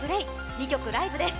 ２曲ライブです